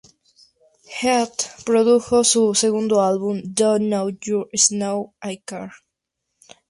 Heath produjo su segundo álbum "Do not You Know I Care".